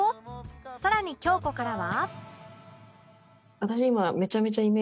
さらに京子からは